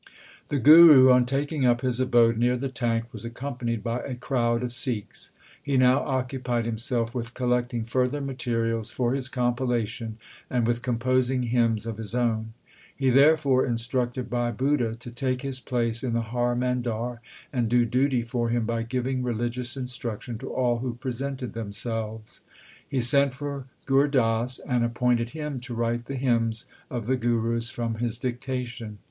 2 The Guru, on taking up his abode near the tank, was accompanied by a crowd of Sikhs. He now occupied himself with collecting further materials for his compilation, and with composing hymns of his own. He therefore instructed Bhai Budha to take his place in the Har Mandar, and do duty for him by giving religious instruction to all who pre sented themselves. He sent for Gur Das and ap pointed him to write the hymns of the Gurus from his dictation.